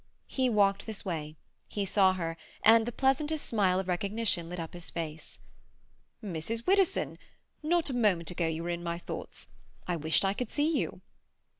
He walked this way; he saw her; and the pleasantest smile of recognition lit up his face. "Mrs. Widdowson! Not a minute ago you were in my thoughts. I wished I could see you."